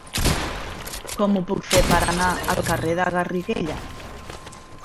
Com ho puc fer per anar al carrer de Garriguella?